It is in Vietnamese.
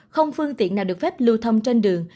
không phương tiện nào được phép lưu thông trên đường